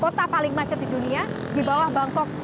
kota paling macet di dunia di bawah bangkok